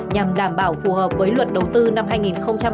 nhằm đảm bảo vốn hai mươi tỷ đồng